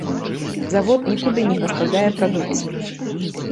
Завод нікуды не пастаўляе прадукцыю.